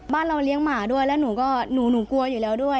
บ้านเราเลี้ยงหมาด้วยแล้วหนูกลัวอยู่แล้วด้วย